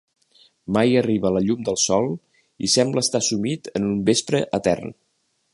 Mai arriba la llum del Sol i sembla estar sumit en un vespre etern.